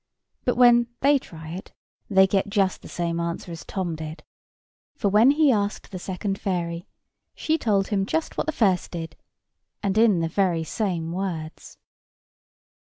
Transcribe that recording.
But, when they try it, they get just the same answer as Tom did. For, when he asked the second fairy, she told him just what the first did, and in the very same words.